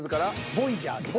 ボイジャーです。